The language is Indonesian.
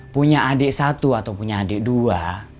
punya adik satu atau punya adik dua